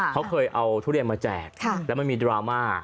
เขาเคยเอาทุเรียนมาแจกแล้วมันมีดราม่า